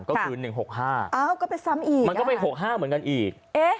ก็คือ๑๖๕มันก็ไป๖๕เหมือนกันอีก